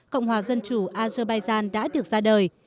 cộng hòa dân chủ azerbaijan đã được ra đời